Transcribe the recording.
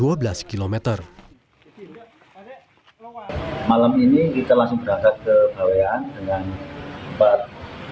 malam ini kita langsung berangkat ke bawean